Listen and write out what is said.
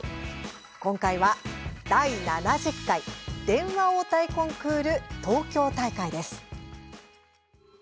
今回は「第７０回電話応対コンクール東京大会」です。